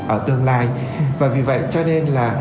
ở tương lai và vì vậy cho nên là